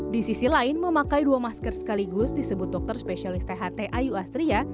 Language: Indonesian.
di sisi lain memakai dua masker sekaligus disebut dokter spesialis tht ayu astria